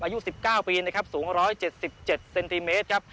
อายุสิบเก้าปีนะครับสูงร้อยเจ็ดสิบเจ็ดเซนติเมตรครับ